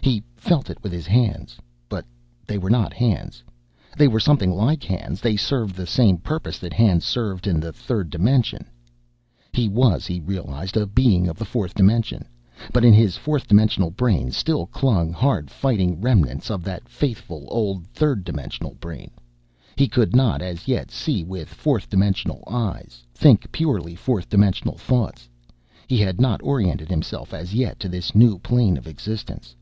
He felt it with his hands, but they were not hands. They were something like hands; they served the same purpose that hands served in the third dimension. He was, he realized, a being of the fourth dimension, but in his fourth dimensional brain still clung hard fighting remnants of that faithful old third dimensional brain. He could not, as yet, see with fourth dimensional eyes, think purely fourth dimensional thoughts. He had not oriented himself as yet to this new plane of existence.